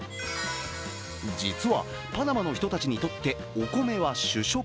実はパナマの人たちにとってお米は主食。